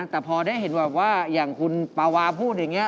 แต่พอได้เห็นแบบว่าอย่างคุณปาวาพูดอย่างนี้